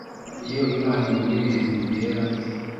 iyo imana ibona ibintu bibera